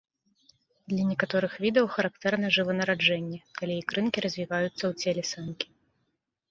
Для некаторых відаў характэрна жыванараджэнне, калі ікрынкі развіваюцца ў целе самкі.